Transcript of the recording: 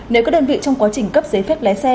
nếu các đơn vị trong quá trình cấp giấy phép lái xe